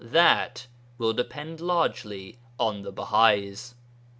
That will depend largely on the Bahais.